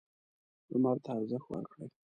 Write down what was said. لمر ته ارزښت ورکړئ.